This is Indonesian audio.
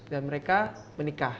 dan mereka menikah